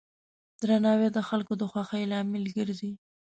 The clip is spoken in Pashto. درناوی د خلکو د خوښۍ لامل ګرځي.